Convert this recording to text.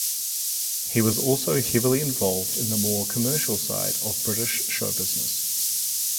He was also heavily involved in the more commercial side of British show-business.